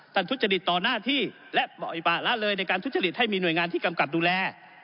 ทุจริตต่อหน้าที่และปล่อยปะละเลยในการทุจริตให้มีหน่วยงานที่กำกับดูแล